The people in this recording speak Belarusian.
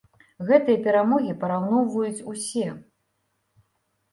Гэтыя перамогі параўноўваюць усе.